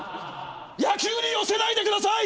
野球に寄せないで下さい！